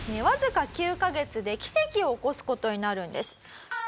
わずか９カ月で奇跡を起こす事になるんです。